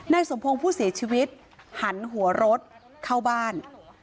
สมพงศ์ผู้เสียชีวิตหันหัวรถเข้าบ้าน